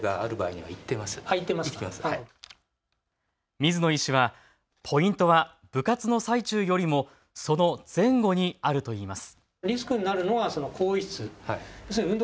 水野医師は、ポイントは部活の最中よりもその前後にあるといいます。